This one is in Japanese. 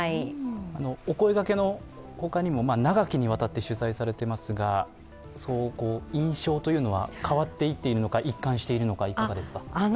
お声かけのほかにも、長きにわたって取材されていますが印象というのは変わっていっていってるのか一貫しているのか、いかがですか。